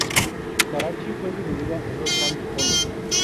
Karachi fue dividida en dos grandes polos.